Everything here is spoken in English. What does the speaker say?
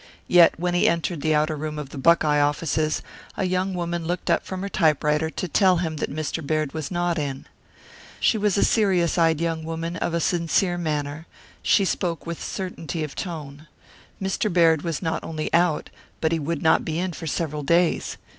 Yet when he entered the outer room of the Buckeye offices a young woman looked up from her typewriter to tell him that Mr. Baird was not in. She was a serious eyed young woman of a sincere manner; she spoke with certainty of tone. Mr. Baird was not only out, but he would not be in for several days.